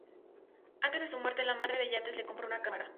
Antes de su muerte, la madre de Yates le compró una cámara.